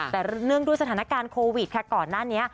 แต่เนื่องด้วยสถานการณ์โควิดค่ะก่อนหน้านี้